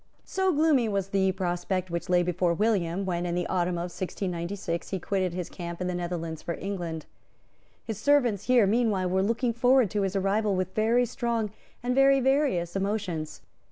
So gloomy was the prospect which lay before William, when, in the autumn of 1696, he quitted his camp in the Netherlands for England. His servants here meanwhile were looking forward to his arrival with very strong and very various emotions.